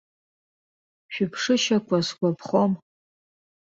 Шәыԥшышьақәа сгәаԥхом.